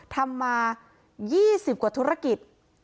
ทำมา๒๐กว่าธุรกิจ